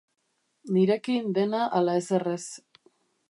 Nirekin dena ala ezer ez.